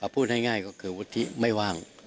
พูดง่ายก็คือวุฒิไม่ว่าง